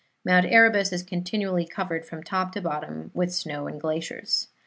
Mount Erebus is continually covered, from top to bottom, with snow and glaciers.